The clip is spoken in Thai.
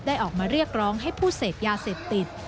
ออกมาเรียกร้องให้ผู้เสพยาเสพติด